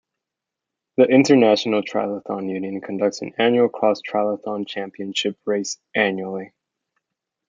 The International Triathlon Union conducts an annual Cross Triathlon Championship race annually.